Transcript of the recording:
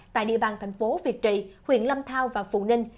tại địa bàn thành phố việt trì huyện lâm thao và phù ninh